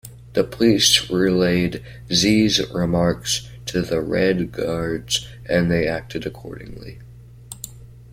The police relayed Xie's remarks to the Red Guards and they acted accordingly.